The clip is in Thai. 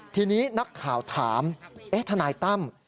ทีนี้นักข่าวถามทนายตั้ม